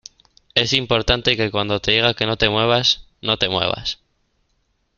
es importante que cuando te diga que no te muevas, no te muevas.